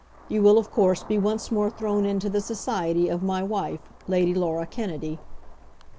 You will, of course, be once more thrown into the society of my wife, Lady Laura Kennedy.